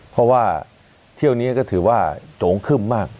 เพราะว่าเที่ยวนี้ก็ถือว่าโจงคึ้มมาก